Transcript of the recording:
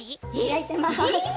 やいてます。